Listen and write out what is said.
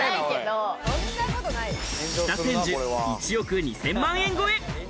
北千住１億２０００万円超え、